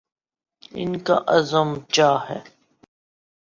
ان کا عزم بجا ہے۔